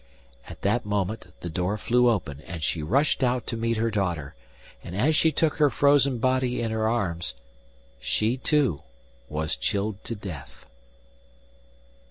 At that moment the door flew open, and she rushed out to meet her daughter, and as she took her frozen body in her arms she too was chilled to death.